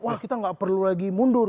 wah kita nggak perlu lagi mundur